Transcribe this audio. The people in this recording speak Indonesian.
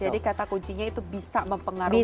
jadi kata kuncinya itu bisa mempengaruhi ya